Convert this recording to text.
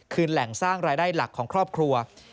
คือแหล่งสร้างรายได้หลักของครอบครัว